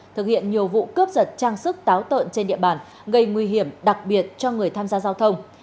thực hiện nhiều vụ cướp giật trang sức táo tợn trên địa bàn gây nguy hiểm đặc biệt cho người tham gia giao thông